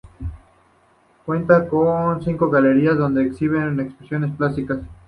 Cuenta con cinco galerías donde se exhiben exposiciones plásticas.